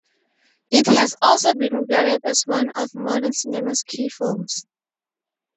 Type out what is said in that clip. It has also been regarded as one of modern cinema's key films.